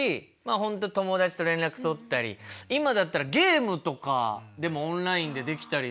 本当に友達と連絡取ったり今だったらゲームとかでもオンラインでできたりしますけど。